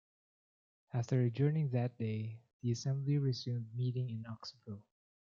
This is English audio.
After adjourning that day, the Assembly resumed meeting in Knoxville.